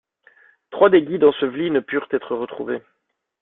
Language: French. Trois des guides ensevelis ne purent être retrouvés.